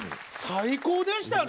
最高でしたね。